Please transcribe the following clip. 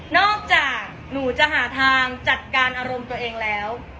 จากหนูจะหาทางจัดการอารมณ์ตัวเองแล้ว